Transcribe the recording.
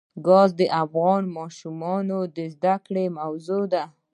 ګاز د افغان ماشومانو د زده کړې موضوع ده.